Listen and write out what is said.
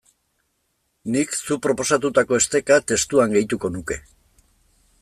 Nik zuk proposatutako esteka testuan gehituko nuke.